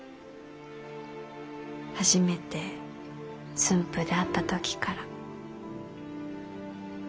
初めて駿府で会った時から。